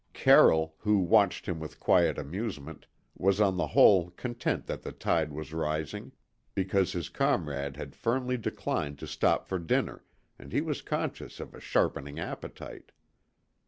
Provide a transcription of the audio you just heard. Carroll, who watched him with quiet amusement, was on the whole content that the tide was rising, because his comrade had firmly declined to stop for dinner, and he was conscious of a sharpened appetite.